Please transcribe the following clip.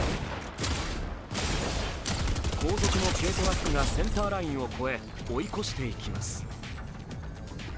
後続の軽トラックがセンターラインを超え追い越していきます。